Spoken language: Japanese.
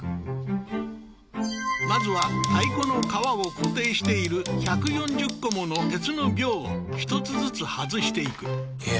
まずは太鼓の革を固定している１４０個もの鉄の鋲を一つずつ外していくえっ